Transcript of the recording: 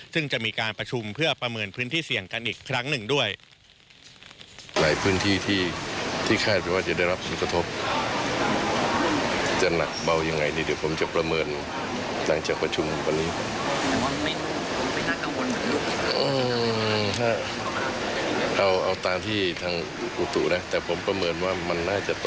ซึ่งจะมีการประชุมเพื่อประเมินพื้นที่เสี่ยงกันอีกครั้งหนึ่งด้วย